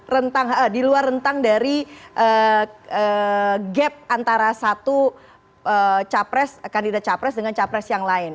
rentang di luar rentang dari gap antara satu capres kandidat capres dengan capres yang lain